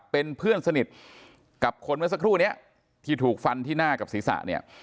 เป็นเพื่อนสนิทกับคนเมื่อสักครู่นี้ที่ถูกฟันที่หน้ากับศีรษะเนี่ย